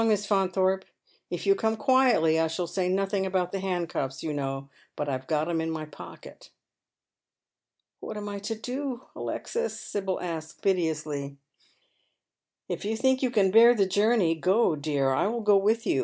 Miss Faunthorpe. If you come quietly I shall Bay nothing about the handcuffs, you know, but I've got 'em in my pocket." " What am I to do, Alexis ?" Sibyl asks, piteously. " If you think you can bear the journey, go, dear. I will go with you.